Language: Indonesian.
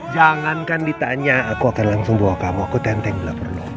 jangankan ditanya aku akan langsung bawa kamu ke tenteng bila perlu